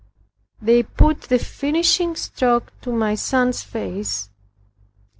They put the finishing stroke to my son's face.